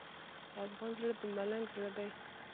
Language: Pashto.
د افغان زړه د ملنګ زړه دی.